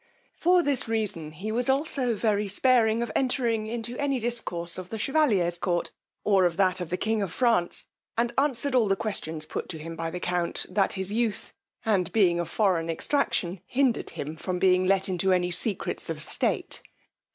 For this reason he was also very sparing of entering into any discourse of the chevalier's court, or of that of the king of France, and answered all the questions put to him by the count, that his youth, and being of foreign extraction, hindered him from being let into any secrets of state.